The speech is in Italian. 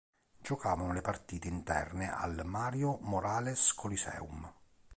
Giocavano le partite interne al Mario Morales Coliseum.